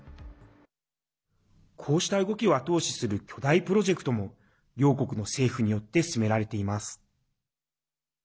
こうした動きを後押しする巨大プロジェクトも両国の政府によって進められています。